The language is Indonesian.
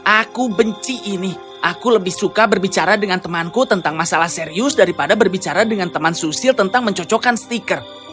aku benci ini aku lebih suka berbicara dengan temanku tentang masalah serius daripada berbicara dengan teman susil tentang mencocokkan stiker